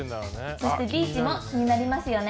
そしてビーチも気になりますよね。